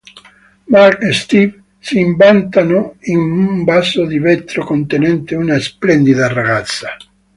Mark e Steve si imbattono in un vaso di vetro contenente una splendida ragazza.